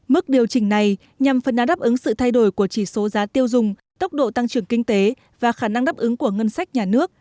mức điều chỉnh này nhằm phân án đáp ứng sự thay đổi của chỉ số giá tiêu dùng tốc độ tăng trưởng kinh tế và khả năng đáp ứng của ngân sách nhà nước